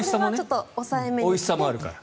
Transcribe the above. おいしさもあるから。